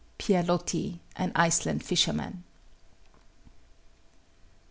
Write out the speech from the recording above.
PIERRE LOTI, An Iceland Fisherman.